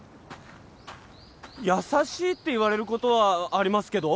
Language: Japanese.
優しいって言われることはありますけど？